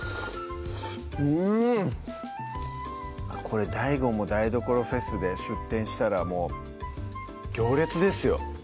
うんこれＤＡＩＧＯも台所フェスで出もう行列ですよ